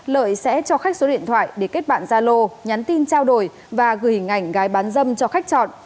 lợi sẽ cho khách số điện thoại để kết bạn gia lô nhắn tin trao đổi và gửi hình ảnh gái bán dâm cho khách chọn